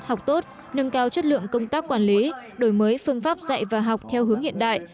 học tốt nâng cao chất lượng công tác quản lý đổi mới phương pháp dạy và học theo hướng hiện đại